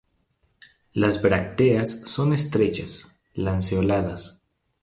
Las brácteas son estrechas, lanceoladas.